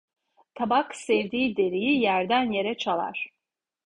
Tabak sevdiği deriyi yerden yere çalar.